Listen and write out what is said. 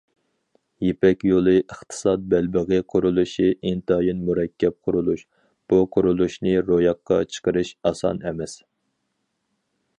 يىپەك يولى ئىقتىساد بەلبېغى قۇرۇلۇشى ئىنتايىن مۇرەككەپ قۇرۇلۇش، بۇ قۇرۇلۇشنى روياپقا چىقىرىش ئاسان ئەمەس.